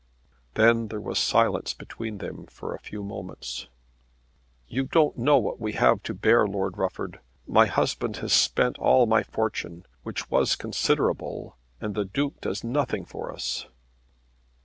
Then there was silence between them for a few moments. "You don't know what we have to bear, Lord Rufford. My husband has spent all my fortune, which was considerable; and the Duke does nothing for us."